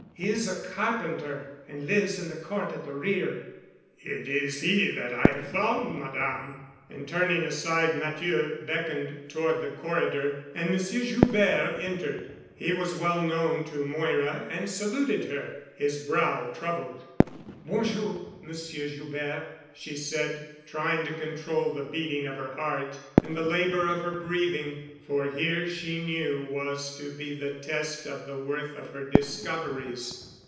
He is a carpenter and lives in the court at the rear——" "It is he I have found, Madame." And turning aside, Matthieu beckoned toward the corridor, and Monsieur Joubert entered. He was well known to Moira and saluted her, his brow troubled. "Bon jour, Monsieur Joubert," she said, trying to control the beating of her heart and the labor of her breathing, for here she knew was to be the test of the worth of her discoveries.